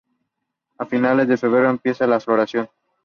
A finales de febrero empiezan la floración.